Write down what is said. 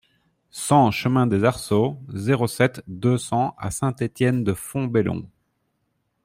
cent chemin des Arceaux, zéro sept, deux cents à Saint-Étienne-de-Fontbellon